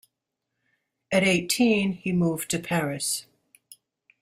At eighteen he moved to Paris.